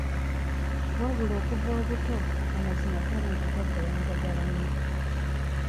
Wabula okuva obuto, amazima gali nti Jjajja yanjagala nnyo.